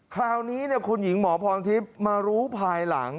คราวนี้คุณหญิงหมอพรทิพย์มารู้ภายหลัง